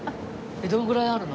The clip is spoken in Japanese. どのぐらいあるの？